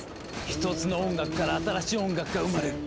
一つの音楽から新しい音楽が生まれる。